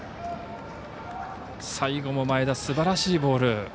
最後も前田、すばらしいボール。